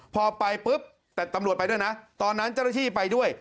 พอไปปุ๊บแต่ตำรวจไปด้วยนะตอนนั้นเจ้าหน้าที่ไปด้วย